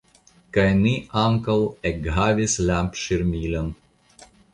Kaj ni ankaŭ ekhavis lampŝirmilon.